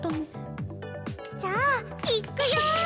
じゃあいっくよ！